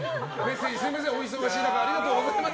すみません、お忙しい中ありがとうございます。